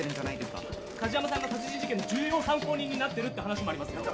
梶山さんが殺人事件の重要参考人になってるって話もありますよ。